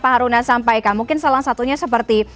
pak haruna sampaikan mungkin salah satunya seperti